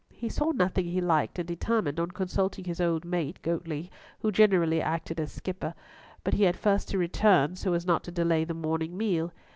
He saw nothing he liked, and determined on consulting his old mate, Goatley, who generally acted as skipper, but he had first to return so as not to delay the morning meal.